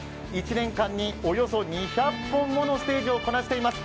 １年間におよそ２００本ものステージをこなしております。